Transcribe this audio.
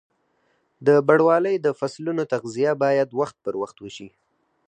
د بڼوالۍ د فصلونو تغذیه باید وخت پر وخت وشي.